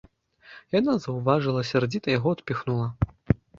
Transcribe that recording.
Яна заўважыла, сярдзіта яго адпіхнула.